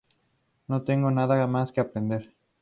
No tengo nada más que aprender.